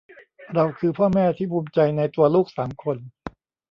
เราคือพ่อแม่ที่ภูมิใจในตัวลูกสามคน